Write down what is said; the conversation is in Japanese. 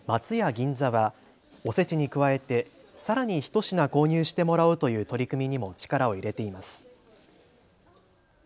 銀座はおせちに加えてさらに１品購入してもらおうという取り組みにも力を入れています。